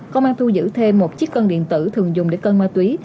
công an thu giữ thêm một chiếc cân điện tử thường dùng để cân ma túy